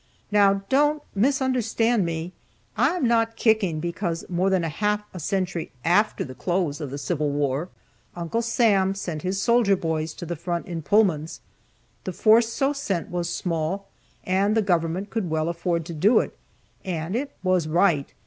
Now, don't misunderstand me. I am not kicking because, more than half a century after the close of the Civil War, Uncle Sam sent his soldier boys to the front in Pullmans. The force so sent was small and the government could well afford to do it, and it was right.